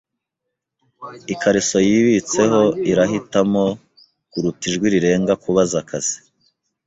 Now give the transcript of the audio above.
Ikariso yibitseho irahitamo kuruta ijwi rirenga kubaza akazi.